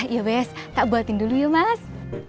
ya bes kak buatin dulu ya mas